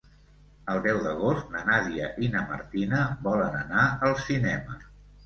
El deu d'agost na Nàdia i na Martina volen anar al cinema.